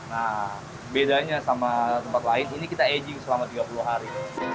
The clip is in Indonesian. nah bedanya sama tempat lain ini kita aging selama tiga puluh hari